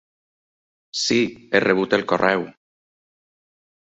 Sí, he rebut el correu!